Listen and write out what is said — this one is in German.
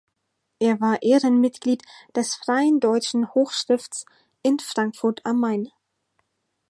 Er war Ehrenmitglied des Freien Deutschen Hochstifts in Frankfurt am Main.